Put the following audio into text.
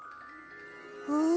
うん？